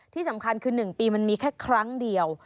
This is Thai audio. ที่สำคัญคือ๑ปีมันมีแค่ครั้งเดียว